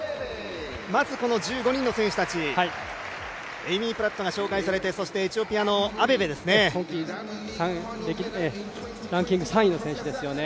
まず１５人の選手たちエイミー・プラットが紹介されてエチオピアのランキング３位の選手ですね